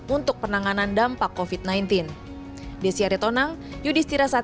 untuk penanganan dampak covid sembilan belas